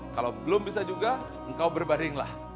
kalau belum bisa juga engkau berbaringlah